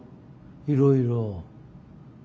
いろいろ。